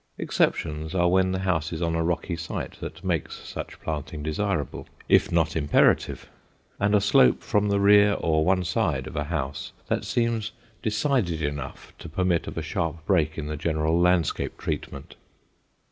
Exceptions are when the house is on a rocky site that makes such planting desirable, if not imperative, and a slope from the rear or one side of a house that seems decided enough to permit of a sharp break in the general landscape treatment.